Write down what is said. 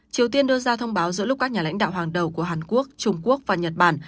triều tiên đưa ra thông báo giữa lúc các nhà lãnh đạo hàng đầu của hàn quốc trung quốc và nhật bản